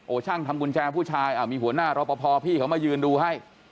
ช่างทำกุญแจผู้ชายมีหัวหน้ารอปภพี่เขามายืนดูให้